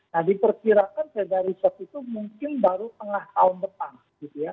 nah diperkirakan saya dari sot itu mungkin baru tengah tahun depan gitu ya